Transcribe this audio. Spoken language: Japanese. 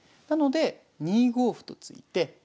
なので２五歩と突いて。